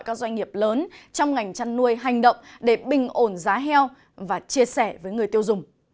các doanh nghiệp lớn trong ngành chăn nuôi hành động để bình ổn giá heo và chia sẻ với người tiêu dùng